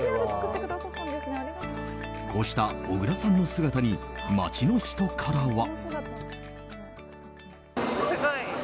こうした小倉さんの姿に街の人からは。